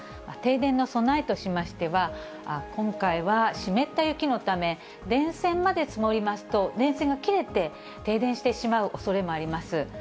停電の備えとしましては、今回は湿った雪のため、電線まで積もりますと、電線が切れて停電してしまうおそれもあります。